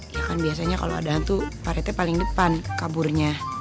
ya kan biasanya kalo ada hantu pak rete paling depan kaburnya